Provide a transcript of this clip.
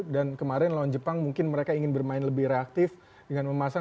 dan kemarin lawan jepang mungkin mereka ingin bermain lebih reaktif dengan memasang satu tiga empat tiga